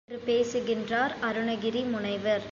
என்று பேசுகின்றார் அருணகிரி முனிவர்.